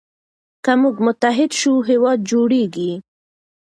که موږ متحد سو هیواد جوړیږي.